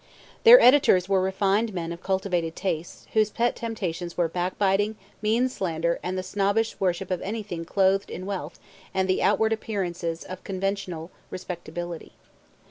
Their editors were refined men of cultivated tastes, whose pet temptations were backbiting, mean slander, and the snobbish worship of anything clothed in wealth and the outward appearances of conventional respectability.